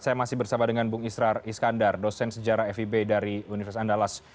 saya masih bersama dengan bung israr iskandar dosen sejarah fib dari universitas andalas